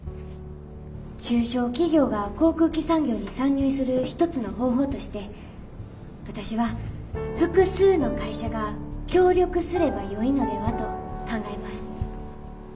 中小企業が航空機産業に参入する一つの方法として私は複数の会社が協力すればよいのではと考えます。